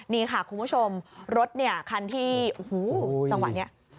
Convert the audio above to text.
นี่ค่ะคุณผู้ชมรถคันที่สังวัตินี้